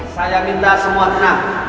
saya minta semua tenang